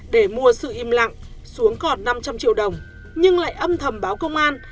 để mua sự im lặng xuống còn năm trăm linh triệu đồng nhưng lại âm thầm báo công an